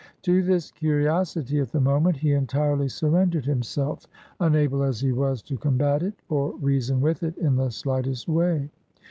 To this curiosity, at the moment, he entirely surrendered himself; unable as he was to combat it, or reason with it in the slightest way.